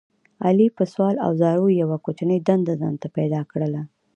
علي په سوال او زاریو یوه کوچنۍ دنده ځان ته پیدا کړله.